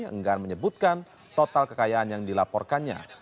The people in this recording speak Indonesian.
enggan menyebutkan total kekayaan yang dilaporkannya